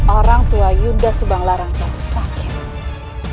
orang tua yunda subang lara jatuh sakit